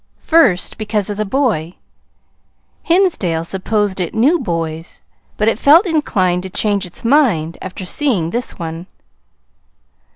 First, because of the boy Hinsdale supposed it knew boys, but it felt inclined to change its mind after seeing this one.